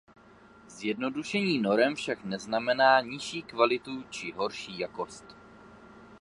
Zjednodušení norem však neznamená nižší kvalitu či horší jakost.